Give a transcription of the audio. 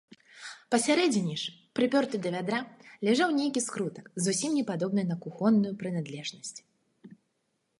Пасярэдзіне ж, прыпёрты да вядра, ляжаў нейкі скрутак, зусім не падобны на кухонную прыналежнасць.